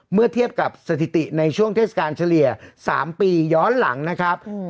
เมื่อเทียบกับสถิติในช่วงเทศกาลเฉลี่ย๓ปีย้อนหลังนะครับ